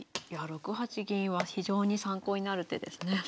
６八銀は非常に参考になる手ですね。